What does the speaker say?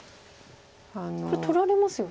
これ取られますよね。